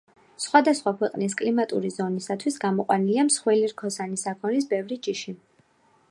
სხვადასხვა ქვეყნის კლიმატური ზონისათვის გამოყვანილია მსხვილი რქოსანი საქონლის ბევრი ჯიში.